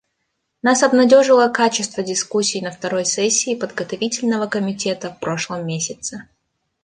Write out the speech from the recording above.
Нас обнадежило качество дискуссии на второй сессии Подготовительного комитета в прошлом месяце.